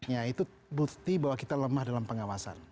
ya itu bukti bahwa kita lemah dalam pengawasan